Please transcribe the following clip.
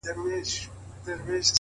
وخت د ارمانونو ریښتینولي څرګندوي.!